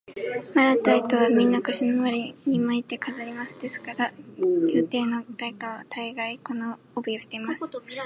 もらった糸は、みんな腰のまわりに巻いて飾ります。ですから、宮廷の大官は大がい、この帯をしています。